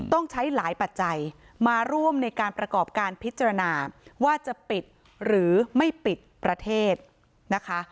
ต้องใช้หลายปัจจัยมาร่วมในการประกอบการพิจารณาว่าจะปิดหรือไม่ปิดประเทศนะคะ